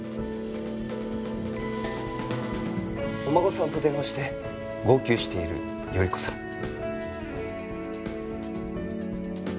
お孫さんと電話して号泣している頼子さん。